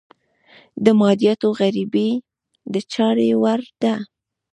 د مادیاتو غريبي د چارې وړ ده.